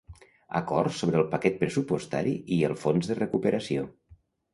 Acord sobre el paquet pressupostari i el fons de recuperació.